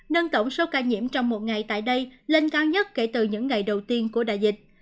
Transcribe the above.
nâng tổng số ca nhiễm trong một ngày tại đây lên cao nhất kể từ những ngày đầu tiên của đại dịch